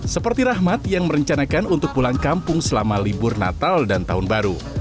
seperti rahmat yang merencanakan untuk pulang kampung selama libur natal dan tahun baru